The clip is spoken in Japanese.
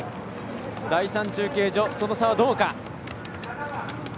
第３中継所、その差はどうか。